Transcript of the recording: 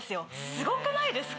すごくないですか？